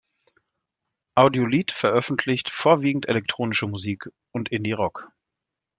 Audiolith veröffentlicht vorwiegend elektronische Musik und Indie-Rock.